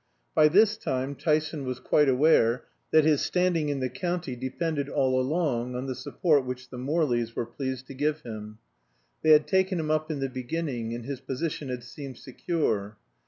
By this time Tyson was quite aware that his standing in the county had depended all along on the support which the Morleys were pleased to give him. They had taken him up in the beginning, and his position had seemed secure.